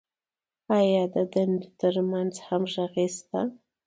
آیا د دندو تر منځ همغږي شته؟